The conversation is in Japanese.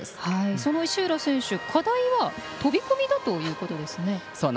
その石浦選手課題は飛び込みということですね。